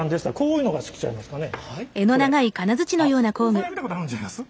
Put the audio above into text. これ見たことあるんちゃいます？